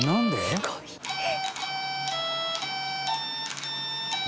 すごい。何？